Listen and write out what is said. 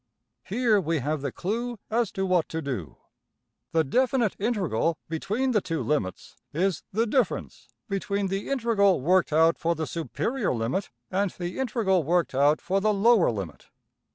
Here we have the clue as to what to do; the definite integral between the two limits is \emph{the difference} between the integral worked out for the superior limit and the integral worked out for the lower limit.